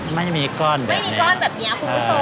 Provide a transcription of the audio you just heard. ไม่มีก้อนแบบนี้คุณผู้ชม